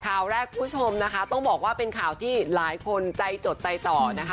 ข่าวแรกคุณผู้ชมนะคะต้องบอกว่าเป็นข่าวที่หลายคนใจจดใจต่อนะคะ